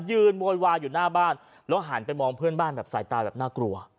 โวยวายอยู่หน้าบ้านแล้วหันไปมองเพื่อนบ้านแบบสายตาแบบน่ากลัว